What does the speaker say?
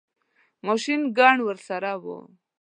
ماشین ګن ورسره وو.